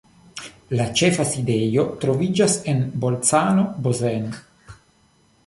La ĉefa sidejo troviĝas en Bolzano-Bozen.